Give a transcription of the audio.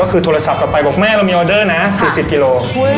ก็คือโทรศัพท์กลับไปบอกแม่เรามีออเดอร์นะ๔๐กิโล